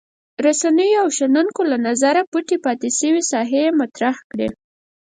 رسنیو او شنونکو له نظره پټې پاتې شوې ساحې یې مطرح کړې.